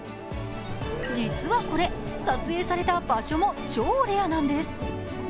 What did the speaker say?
実はこれ、撮影された場所も超レアなんです。